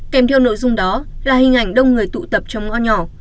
kèm theo nội dung đó là hình ảnh đông người tụ tập trong ngõ nhỏ